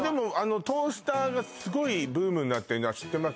トースターがすごいブームになってるのは知ってます。